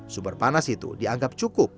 sumber panas itu dianggap cukup